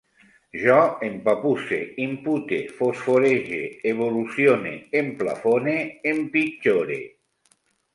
Jo empapusse, impute, fosforege, evolucione, emplafone, empitjore